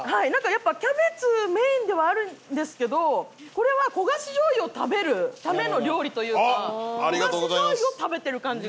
やっぱキャベツメインではあるんですけどこれは焦がし醤油を食べるための料理というか焦がし醤油を食べてる感じが。